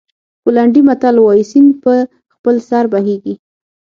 پولنډي متل وایي سیند په خپل سر بهېږي.